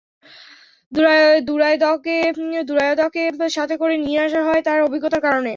দুরায়দকে সাথে করে নিয়ে আসা হয় তার অভিজ্ঞতার কারণে।